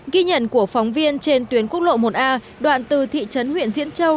ghi nhận của phóng viên trên tuyến quốc lộ một a đoạn từ thị trấn huyện diễn châu